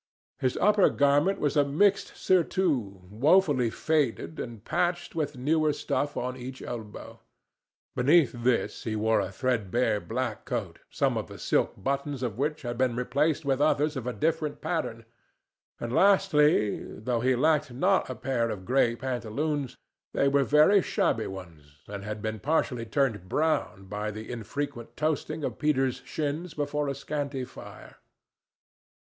His upper garment was a mixed surtout, woefully faded, and patched with newer stuff on each elbow; beneath this he wore a threadbare black coat, some of the silk buttons of which had been replaced with others of a different pattern; and, lastly, though he lacked not a pair of gray pantaloons, they were very shabby ones, and had been partially turned brown by the frequent toasting of Peter's shins before a scanty fire.